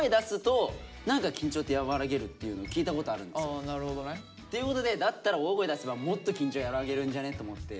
大声を出すとっていうことでだったら大声出せばもっと緊張和らげるんじゃねと思って。